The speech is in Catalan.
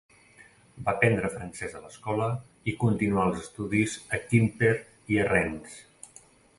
Va aprendre francès a l'escola i continuà els estudis a Quimper i a Rennes.